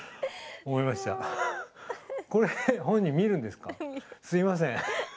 すいません。